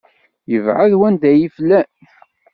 Ibɛed wanda i yas-flan!